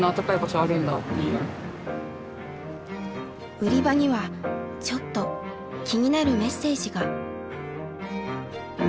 売り場にはちょっと気になるメッセージが。